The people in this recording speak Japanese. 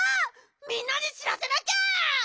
みんなにしらせなきゃ！